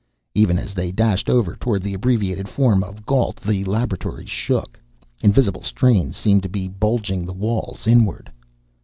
Even as they dashed over toward the abbreviated form of Gault, the laboratory shook. Invisible strains seemed to be bulging the walls inward.